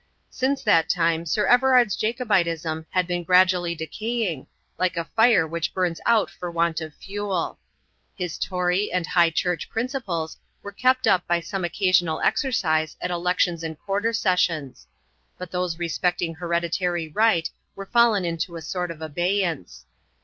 Since that time Sir Everard's Jacobitism had been gradually decaying, like a fire which burns out for want of fuel. His Tory and High Church principles were kept up by some occasional exercise at elections and quarter sessions; but those respecting hereditary right were fallen into a sort of abeyance.